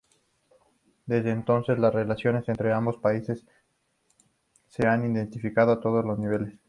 Desde entonces las relaciones entre ambos países se han intensificado a todos los niveles.